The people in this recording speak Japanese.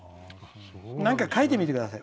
なんか書いてみてください。